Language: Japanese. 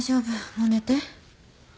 もう寝て。